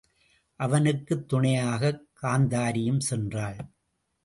அவனுக்குத் துணையாகக் காந்தாரியும் சென்றாள்.